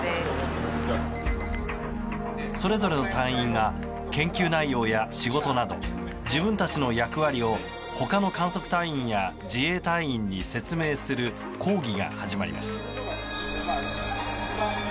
それぞれの隊員が研究内容や仕事など自分たちの役割を他の観測隊員や自衛隊員に説明する講義が始まります。